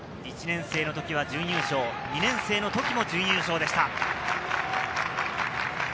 １年生の時は準優勝、２年生の時も準優勝でした。